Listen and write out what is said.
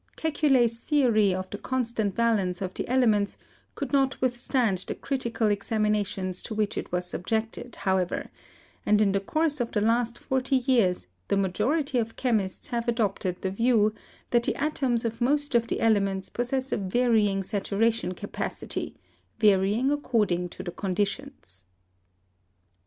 Kekule's theory of the constant valence of the elements could not withstand the critical examinations to which it was subjected, however, and in the course of the last forty years the majority of chemists have adopted the view that the atoms of most of the elements possess a varying saturation capacity, varying according to the conditions.